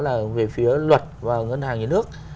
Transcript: là về phía luật và ngân hàng nhà nước